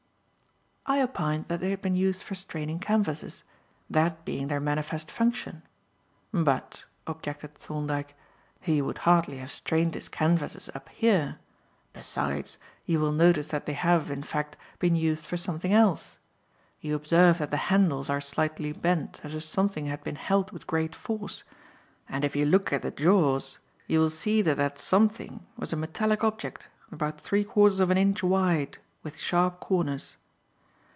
I opined that they had been used for straining canvases, that being their manifest function. "But," objected Thorndyke, "he would hardly have strained his canvases up here. Besides, you will notice that they have, in fact, been used for something else. You observe that the handles are slightly bent, as if something had been held with great force, and if you look at the jaws, you will see that that something was a metallic object about three quarters of an inch wide with sharp corners.